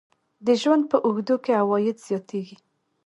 د ژوند په اوږدو کې عواید زیاتیږي.